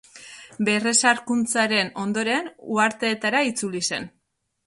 Berrezarkuntzaren ondoren, uharteetara itzuli zen.